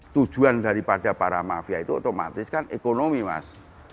tujuan daripada para mafia itu otomatis kan ekonomi mas